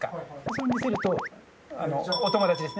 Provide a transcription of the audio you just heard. それを見せると「お友達ですね」みたいな。